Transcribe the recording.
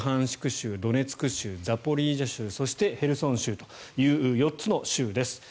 州、ドネツク州ザポリージャ州そして、ヘルソン州という４つの州です。